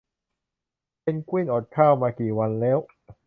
เพนกวินอดข้าวมากี่วันแล้ว